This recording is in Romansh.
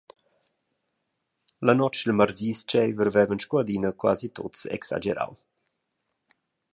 La notg dil mardis-tscheiver vevan sco adina quasi tuts exagerau.